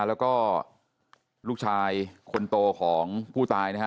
ภรรยาและลูกชายคนโตของผู้ตาย